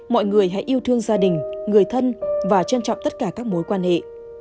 mọi người hãy yêu thương gia đình người thân và trân trọng tất cả các mối quan hệ